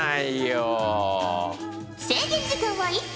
制限時間は１分。